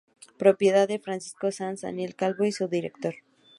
Propiedad de Francisco Sanz, Daniel Calvo fue su director.